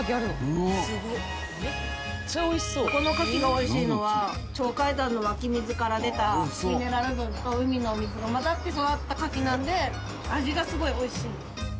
ここの牡蠣が美味しいのは鳥海山の湧き水から出たミネラル分と海のお水が混ざって育った牡蠣なので味がすごい美味しい。